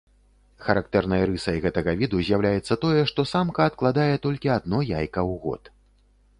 Характэрнай рысай гэтага віду з'яўляецца тое, што самка адкладае толькі адно яйка ў год.